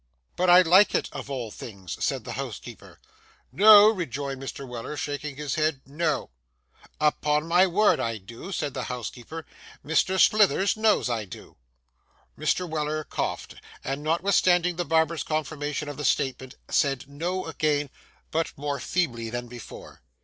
'But I like it of all things,' said the housekeeper. 'No,' rejoined Mr. Weller, shaking his head,—'no.' 'Upon my word I do,' said the housekeeper. 'Mr. Slithers knows I do.' Mr. Weller coughed, and notwithstanding the barber's confirmation of the statement, said 'No' again, but more feebly than before.